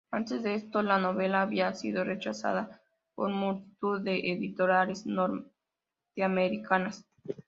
Antes de esto, la novela había sido rechazada por multitud de editoriales norteamericanas.